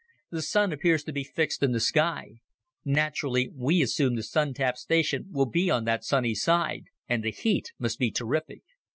The Sun appears to be fixed in the sky. Naturally, we assume the Sun tap station will be on that sunny side. And the heat must be terrific."